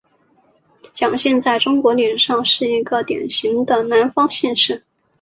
蒋姓在中国历史上是一个比较典型的南方姓氏。